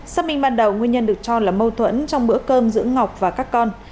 xác minh ban đầu nguyên nhân được cho là mâu thuẫn trong bữa cơm giữa ngọc và các con